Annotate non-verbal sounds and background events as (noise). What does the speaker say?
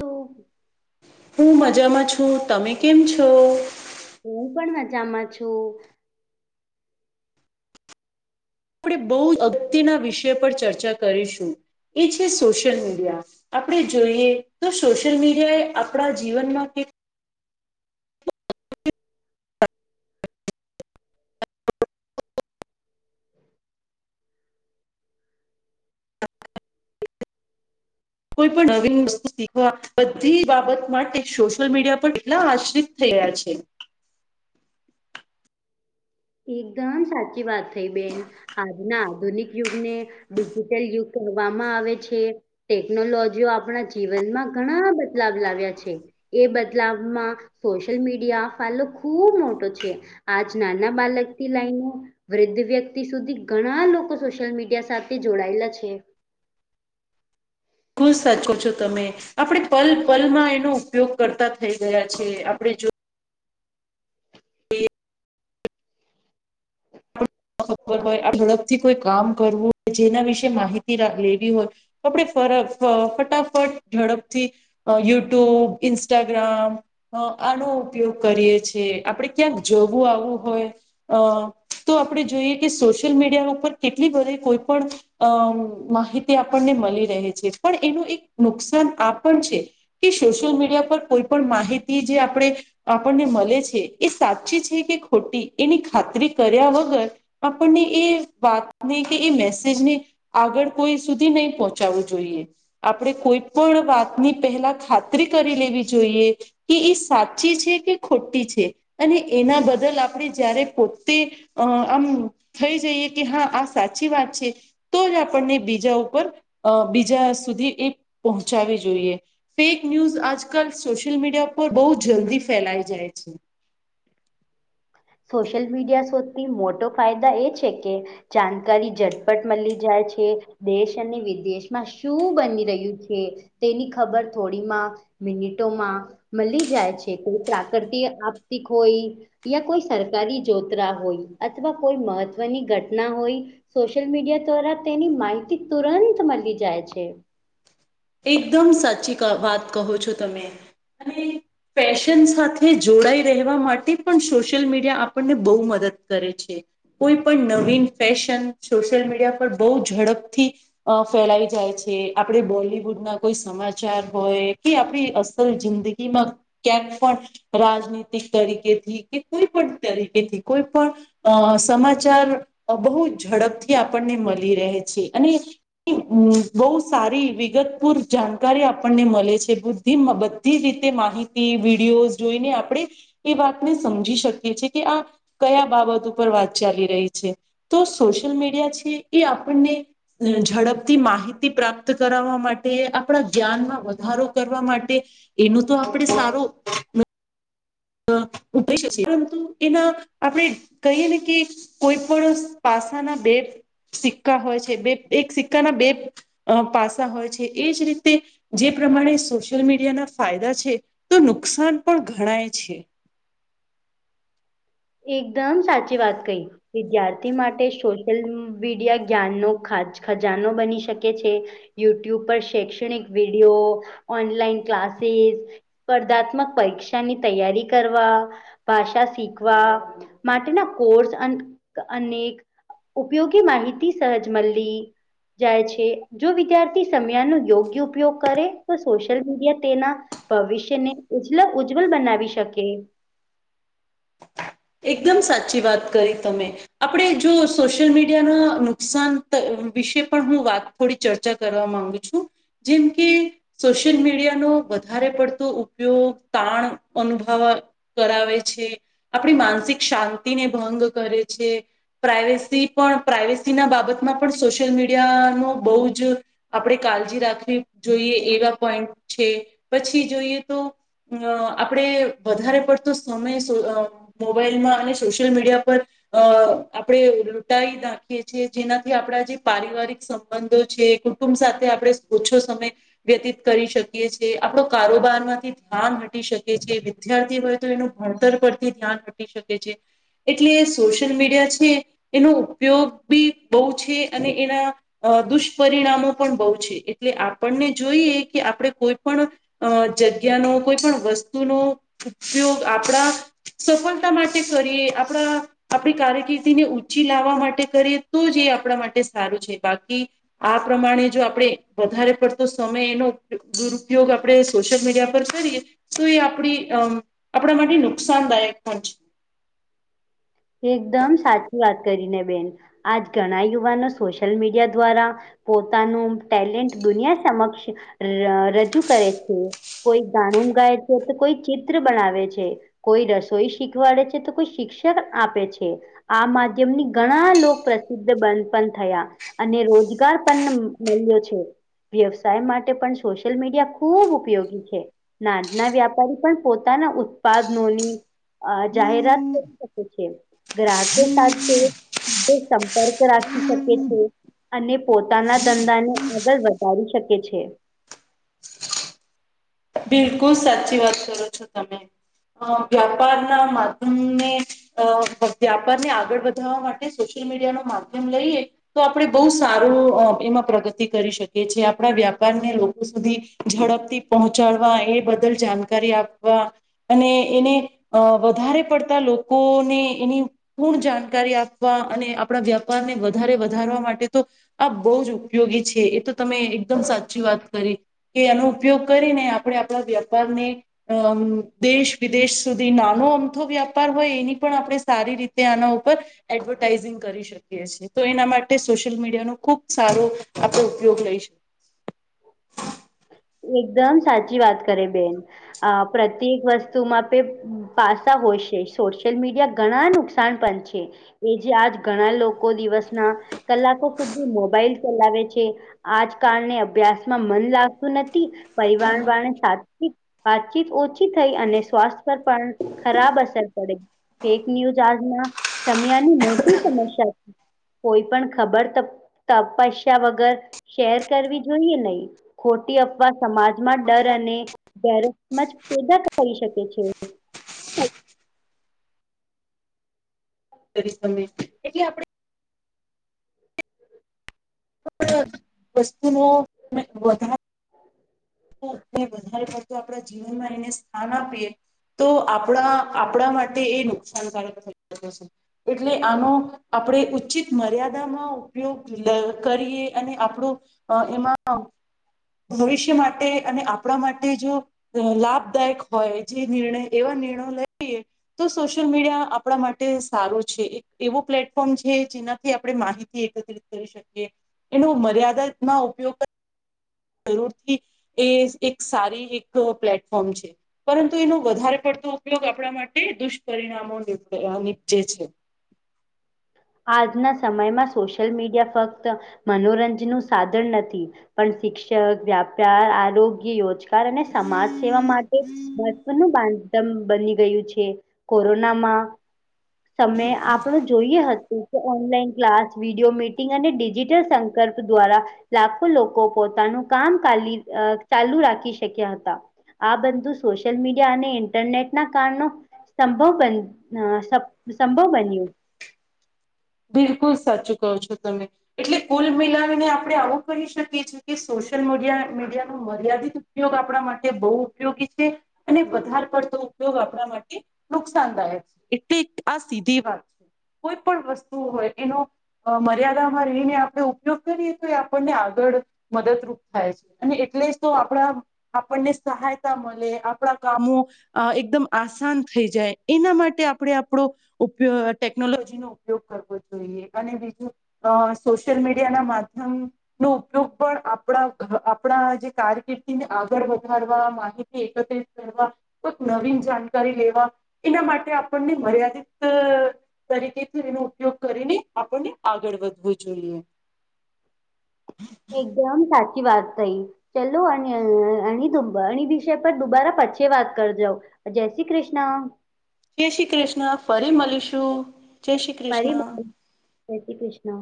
તો હું મજામાં છું તમે કેમ છો? હું પણ મજામાં છું. આપણે બહુ અગત્યના વિષય પર ચર્ચા કરીશું એ છે સોશિયલ મીડિયા આપણે જોઈએ તો સોશિયલ મીડિયા એ આપણા જીવનમાં કે (unintelligible) કોઈ પણ નવીન વસ્તુ શીખવા બધી બાબત માટે સોશિયલ મીડિયા પર કેટલા આશ્રિત થઈ રહ્યા છે. એકદમ સાચી વાત થઈ બેન ના આધુનિક યુગને ડિજિટલ યુગ કહેવામાં આવે છે. ટેકનોલોજીઓ આપણા જીવનમાં ઘણા બદલાવ લાવ્યા છે. એ બદલાવમાં સોશિયલ મીડિયા (unintelligible) ખુબ મોટો છે આજના ના બાલક થી લાઈને વૃદ્ધ વ્યક્તિ સુધી ઘણા લોકો સોશિયલ મીડિયા સાથે જોડાયેલા છે. (unintelligible) છો તમે આપડે પલ પલમાં એનો ઉપયોગ કરતા થઈ ગયા છે આપણે જો ખબર હોય આ ઝડપથી કોઈ કામ કરવું જેના વિશે માહિતી લેવી હોય આપણે ફર ફટાફટ ઝડપથી અ યુટ્યુબ ઇસ્ટાગ્રામ અ આનો ઉપયોગ કરીએ છેીએ આપડે ક્યાંક જવું આવું હોય અ તો આપણે જોઈએ કે સોશિયલ મીડિયા ઉપર કેટલી બધી કોઈ પણ અમ માહિતી આપણને મળી રહે છે પણ એનું એક નુકસાન આ પણ છે કે સોશિયલ મીડિયા પર કોઈ પણ માહિતી જે આપણેે આપણને મળે છે એ સાચી છે કે ખોટી એની ખાતરી કર્યા વગર આપણને એ વાતની કે એ મેસેજની આગળ કોઈ સુધી નહી પહોંચાવું જોઈએ. આપણે કોઈ પણ વાતની પહેલા ખાતરી કરી લેવી જોઈએ કે એ સાચી છે કે ખોટી છે અને એના બદલ આપણે જયારે પોતે અ આમ થઈ જઈએ કે હા આ સાચી વાત છે. તો જ આપણને બીજા ઉપર બીજા સુધી એ પહોંચાવવી જોઈએ ફેક ન્યૂઝ આજકાલ સોશિયલ મીડિયા પર બહુ જલ્દી ફેલાઈ જાય છે. સોશિયલ મીડિયા શોધથી મોટો ફાયદા એ છે કે જાણકારી ઝટપટ મળી જાય છે દેશ અને વિદેશમાં શું બની રહ્યું છે તેની ખબર થોડીમાં મિનિટોમાં મળી જાય છે કોઈ પ્રાકૃતિ આપત્તિ હોઈ યા કોઈ સરકારી જોતરા હોય અથવા કોઈ મહત્વની ઘટના હોય સોશિયલ મીડિયા દ્વારા તેની માહિતી તુરંત મળી જાય છે. એકદમ સાચી વાત કહો છો તમે અને ફેશન સાથે જોડાઈ રહેવા માટે પણ સોશિયલ મીડિયા આપણને બહુ મદદ કરે છે. કોઈ પણ નવીન ફેશન સોશિયલ મીડિયા પર બહુ ઝડપથી ફેલાઈ જાય છે આપણે બોલીએ ના કોઈ સમાચાર હોય કે આપણે અસલ જિંદગી માં ક્યાંક પણ રાજનીતિક તરીકેથી કે કોઈ પણ તરીકેથી કોઈ પણ સમાચાર બહુ ઝડપથી આપણને મળી રહે છે અને બહુ સારી વિગત ભરપૂર જાણકારી આપણને મળે છે બધી બધી રીતે માહિતી વિડીયો જોઈને આપણે એ વાતને સમજી શકીએ છીએ કે આ કયા બાબત ઉપર વાત ચાલી રહી છે તો સોશિયલ મીડિયા છે એ આપણને ઝડપથી માહિતી પ્રાપ્ત કરાવવા મા ટે આપણા જ્ઞાનમાં વધારો કરવા માટે એનું તો આપણે સારો (unintelligible) પરંતુ એના આપણે કહીએ ને કે કોઈ પણ પાસાના બે સિક્કા હોય છે બે એક સિક્કાના બે પાસા હોય છે એજ રીતે જે પ્રમાણે સોશિયલ મીડિયાના ફાયદા છે તો નુકસાન પણ ઘણાય છે. એકદમ સાચી વાત કહી. વિદ્યાર્થી માટે સોશિયલ મીડિયા જ્ઞાનનો ખાજ ખજાનો બની શકે છે. યુટ્યુબ પર શૈક્ષણિક વિડીયો, ઓનલાઈન ક્લાસીસ, સ્પર્ધાત્મક પરીક્ષાની તૈયારી કરવા, ભાષા શીખ વા માટેના કોર્સ અન અનેક ઉપયોગી માહિતી સહજ મલી જાય છે. જો વિદ્યાર્થી સમયા નો યોગ્ય ઉપયોગ કરે તો સોશિયલ મીડિયા તેના ભવિષ્યને ઉજલ ઉજ્જવલ બનાવી શકે. એકદમ સાચી વાત કરી તમે. આપણે જો સોશિયલ મીડિયાના નુકસાન વિશે પણ હું વાત થોડી ચર્ચા કરવા માંગુ છું જેમ કે સોશિયલ મીડિયાનો વધારે પડતો ઉપયોગ તાણ અનુભવ કરાવે છે, આપણી માનસિક શાંતિને ભંગ કરે છે, પ્રાઇવેસી પણ પ્રાઇવેસી ના બાબતમાં પણ સોશિયલ મીડિયાનો બહુ જ આપણે કાળજી રાખવી જોઈએ એવા પોઈન્ટ છે પછી જોઈએ તો આપડે વધારે પડતો સમય મોબાઈલમાં અને સોશિયલ મીડિયા પર આપણે લૂંટાઈ નાખીએ છીએ જેનાથી આપડા જે પારિવારિક સ બંધો છે કુટુંબ સાથે આપણે ઓછો સમય વ્યતીત કરી શકીએ છીએ આપડો કારોબાર માંથી ધ્યાન હ ટી શકે છે વિદ્યાર્થી હોય તો એનું ભણતર પરથી ધ્યાન હટી શકે છે. એટલે સોશિયલ મીડિયા છે એનો ઉપયોગ બી બહુ છે અને એના અ દુષ્પરિણામો પણ બહુ છે એટલે આપણને જોઈએ કે આપણે કોઈ પણ જગ્યાનો કોઈ પણ વસ્તુનો ઉપયોગ આપણા સફળતા માટે કરીએ આપણા આપણી કારકિર્દીને ઊંચી લાવવા માટે કરીએ તો જ એ આપણા માટે સારું છે બાકી આ પ્રમાણે જો આપણેે વધારે પડતો સમય એનો દુરુપયોગ આપડે સોશિયલ મીડિયા પર કરીએ તો એ આપણી આપણા માટે નુકસાનદાયક પણ છે. એકદમ સાચી વાત કરીને બેન આજ ઘણા યુવાનો સોશિયલ મીડિયા દ્વારા પોતાનું ટેલેન્ટ દુનિયા સમક્ષ ર રજૂ કરે છે. કોઈ ગાણું ગાય છે તો કોઈ ચિત્ર બનાવે છે. કોઈ રસોઈ શીખવાડે છે તો કોઈ શિક્ષક આપે છે. આ માધ્યમની ઘણા લોક પ્રસિદ્ધ બંધ પણ થયા. અને રોજગાર પણ મળ્યો છે. વ્યવસાય માટે પણ સોશિયલ મીડિયા ખૂબ ઉપયોગી છે. નાદના વ્યાપારી પણ પોતાના ઉત્પાદનોની જાહેરાત કરી શ કે છે. ગ્રાહકો સાથે સંપર્ક રાખી શકે છે. અને પોતાના ધંધાને આગળ વધારી શકે છે. બિલકુલ સાચી વાત કરો છો તમે વ્યાપાર ના માધ્યમને અ વ્યાપાર ને આગળ વધારવા માટે સોશિયલ મીડિયા નો માધ્યમ લઈએ તો આપણે બહુ સારું એમાં પ્રગતિ કરી શકીએ છીએ આપણા વ્યાપારને લોકો સુધી ઝડપથી પહોંચાડવા એ બદલ જાણકારી આપવા અને એને અ વધારે પડતા લોકોને એની પૂર્ણ જાણકારી આપવા અને આપણા વ્યાપારને વધારે વધારવા માટે તો આ બહુ જ ઉપયોગી છે એ તો તમે એકદમ સાચી વાત કરી કે એનો ઉપયોગ કરીને આપણે આપણા વ્યાપાર ને અ દેશ વિદેશ સુધી નાનો અમથો વ્યાપાર હોય એની પણ આપણે સારી રીતે આના ઉપર એડવર્ટાઇઝિંગ કરી શકે એના માટે સોશિયલ મીડિયા નો ખુબ સારો આપડણે ઉપયોગ લઈ શકીએ એકદમ સાચી વાત કરે બેન આ પ્રત્યેક વસ્તુમાં પે પાસા હોશે સોશિયલ મીડિયા ઘણા નુકસ સાણપંછી એ જે આજ ઘણા લોકો દિવસના કલાકો સુધી મોબાઈલ ચલાવે છે. આજ કારણે અભ્યાસમાં મન લાગતું નથી પરિવાર વાળને સા વાતચીત ઓછી થઈ અને સ્વાસ્થ્ય પર પણ ખરાબ અસર પડે ફેક ન્યૂઝ આજના સમયાની મોટી સમસ્યા છે. કોઈ પણ ખબર તપસ્યા વગર શેર કરવી જોઈએ નહી ખોટી અફવા સમાજમાં ડર અને ગેરસમજ પેદા કરી શકે છે. કરીશ તમે એટલે આપણે વસ્તુ વધારે હ (inaudible) વધારે પડતું આપણા જીવનમાં એને સ્થાન આપીએ તો આપણા આપણા માટે એ નુકસાનકારક થઈ શકે છે એટલે આનો આપણે ઉચિત મર્યાદામા ઉપયોગ કરીએ અને આપણું એમાં ભવિષ્ય માટે માટે અને આપણા માટે જો લાભદાયક હોય, જે નિર્ણય એવા નિર્ણયો લઈ લએ તો સોશિયલ મીડિયા આપણા માટે સારુ છે એક એવો પ્લેટફોર્મ છે, જેનાથી આપણે માહિતી એકિત કરી શકી એનો મર્યાદામાં ઉપયોગ જરૂરથી એ એક સારી એક પ્લેટફોર્મ છે. પરંતુ એનો વધારે પડતો ઉપયોગ આપણા માટે દુષ્પરિણામો નીપજે છે. આજના સમયમાં સોશિયલ મીડિયા ફક્ત મનોરંજન નું સાધન નથી. પણ શિક્ષક વ્યાપાર આરોગ્ય યોજના સરકાર અને સમાજ સેવા માટે મહત્વનું બાધ બની ગયુ છે, કોરોનામાં સમય આપણો જોઈએ હતુ, કે ઓનલાઈન ક્લાસ વિડીિયો મીટિંગ અને ડિજિટલ સંકલ્પ દ્વારા લાખો લોકો પોતાનું કામા ચાલુ રાખી શક્યા હતા આ બધું સોશિયલ મીડિયા અને ઇન્ટરનેટ ના કારનો સંભવ બન સંભવ બન્યુ બિલકુલ સાચું કહો છો તમે એટલે કુલ મિલાવીને આપડણે આવું કહી શકીએ છએ. સોશિયલ મડ મીડિયા ન મર્યાદિત ઉપયોગ આપણા માટે બહુ ઉપયોગી છે. અને વધારે પડતો ઉપયોગ આપણા માટે નુકસાનદાયક છે, એટલે આ સીધી વાત છે. કોઈ પણ વસ્તુ હોય, એનો મર્યાદામાં રહીને આપણે ઉપયોગ કરીએ તો એ આપણને આગળ મદદરૂપ થાય છે, અને એટલે જ તો આપડા આપણને સહાયતા મળે આપણા કામો અ એકદમ આસાન થઈ જાય, એના માટે આપણે આપણો ઉપ ટેકનોલોજી નો ઉપયોગ કરવો જોઈએ અને બીજુ અ સોશિયલ મીડિયા ના માધ્યમ નો ઉપયોગ પણ આપણા આપણા જે કારકિર્દીને આગળ વધારવા માહિતી એકત્ર કરવા કોઈક નવીન જાણકારી લેવા એના માટે આપણને મર્યાદિત તરીકેથી વિનો ઉપયોગ કરીને આપણને આગળ વધવું જોઈએ. ને સાચી વાત કઈ. ચલો અ અ વિષય પર દુબારા પછી વાત કરજાવ જય શ્રી કૃષ્ણ. કેય શ્રી કૃષ્ણ ફરી મળીશું. જય શ્રી ફરી કૃષ્ણ શય શ્રી કૃષ્ણ.